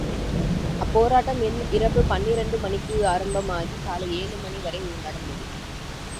அப்போராட்டம் இரவு பனிரண்டு மணிக்கு ஆரம்பமாகி காலை ஏழு மணி வரை நடந்தது.